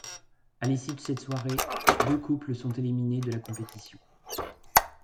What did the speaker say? À l'issue de cette soirée, deux couples sont éliminés de la compétition.